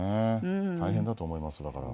大変だと思いますだから。